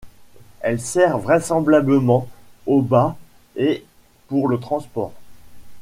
Elle sert vraisemblablement au bât et pour le transport.